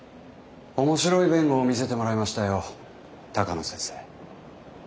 面白い弁護を見せてもらいましたよ鷹野先生。